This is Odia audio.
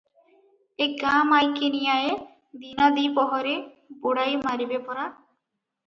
ଏ ଗାଁ ମାଈକିନିଆଏ ଦିନ ଦିପହରେ ବୁଡ଼ାଇମାରିବେ ପରା ।